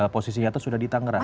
posisinya tuh sudah di tangerang